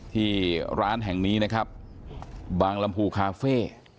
ที่ร้านแห่งนี้นะครับบางลำพูคาเฟ่